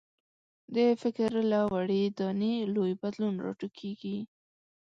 د فکر له وړې دانې لوی بدلون راټوکېږي.